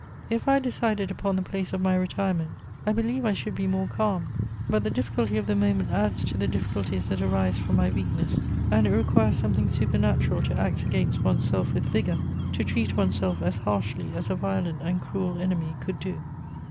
"If I had decided upon the place of my retirement, I believe I should be more calm; but the difficulty of the moment adds to the difficulties that arise from my weakness, and it requires something supernatural to act against one's self with vigour, to treat one's self as harshly as a violent and cruel enemy could do."